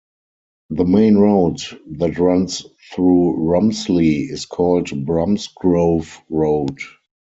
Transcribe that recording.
The main road that runs through Romsley is called Bromsgrove Road.